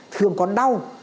thường có đau